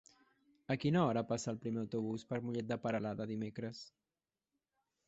A quina hora passa el primer autobús per Mollet de Peralada dimecres?